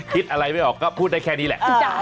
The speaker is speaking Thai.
คิดอะไรไม่ออกก็พูดได้แค่นี้แหละ